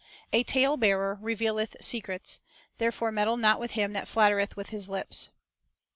"" "A talebearer revealeth secrets; therefore meddle not with him that fiattereth with his lips."